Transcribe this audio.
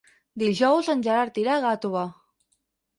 Dijous en Gerard irà a Gàtova.